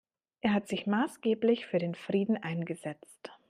Er hat sich maßgeblich für den Frieden eingesetzt.